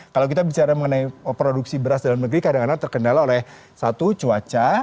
kalau kita bicara mengenai produksi beras dalam negeri kadang kadang terkendala oleh satu cuaca